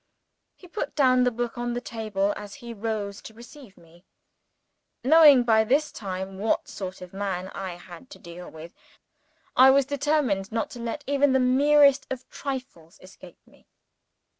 He put down the book on the table as he rose to receive me. Knowing, by this time, what sort of man I had to deal with, I was determined not to let even the merest trifles escape me.